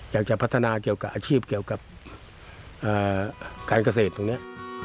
อยากจะพัฒนาเกี่ยวกับอาชีพเกี่ยวกับการเกษตรตรงนี้